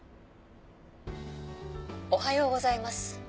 おはようございます。